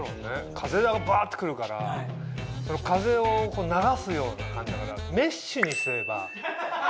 風がバって来るから風を流すような感じだからメッシュにすれば。